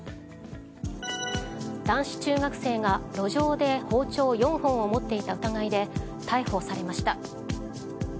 男子中学生が路上で包丁４本を持っていた疑いで逮捕されました。